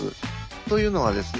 というのはですね